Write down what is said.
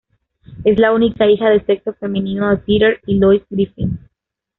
Es la única hija de sexo femenino de Peter y Lois Griffin.